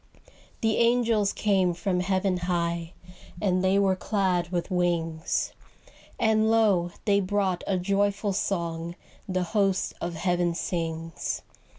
The angels came from heaven high, And they were clad with wings; And lo, they brought a joyful song The host of heaven sings.